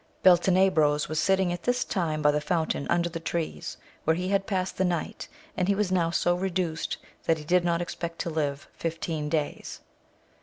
^ Beltenebros was sitting at this time by the fountain under the trees, where he had passed the night, and he was now so reduced that he did not expect to live fifteen days.